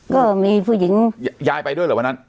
ก็มีผู้หญิงยายไปด้วยเหรอวันนั้น